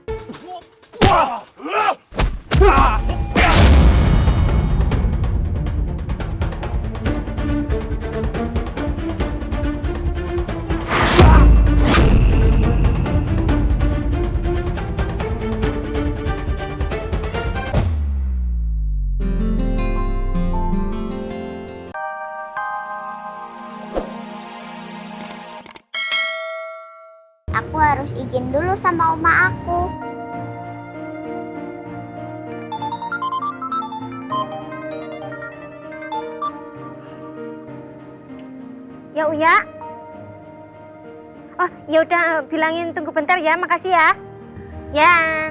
aku harus izin dulu sama oma aku ya uya oh ya udah bilangin tunggu bentar ya makasih ya ya